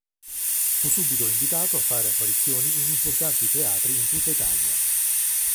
Fu subito invitato a fare apparizioni in importanti teatri in tutta Italia.